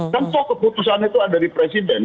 kan soal keputusan itu ada di presiden